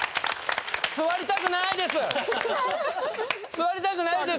座りたくないです。